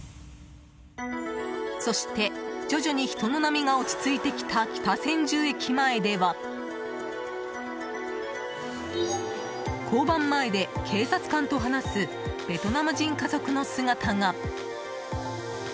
そして徐々に人の波が落ち着いてきた北千住駅前では交番前で警察官と話すベトナム人家族の姿が。